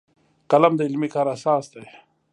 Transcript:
قلم د علمي کار اساس دی